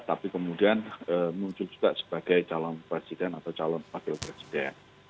tapi kemudian muncul juga sebagai calon presiden atau calon wakil presiden